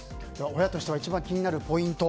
親としては一番気になるポイント